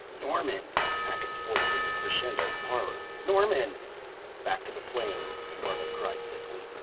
"Norman!" Hackett's voice was a crescendo of horror. "Norman!" "Back to the plane!" Norman cried thickly.